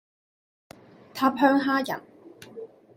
塔香蝦仁